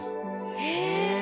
へえ！